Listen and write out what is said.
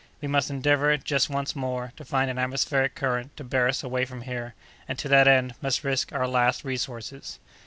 "We must endeavor, just once more, to find an atmospheric current to bear us away from here, and, to that end, must risk our last resources."